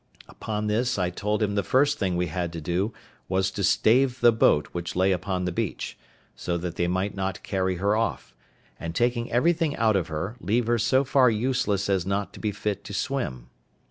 Upon this, I told him the first thing we had to do was to stave the boat which lay upon the beach, so that they might not carry her off, and taking everything out of her, leave her so far useless as not to be fit to swim.